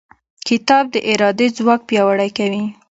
کتاب د ارادې ځواک پیاوړی کوي.